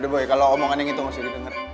udah boy kalo omongan yang itu masih didengar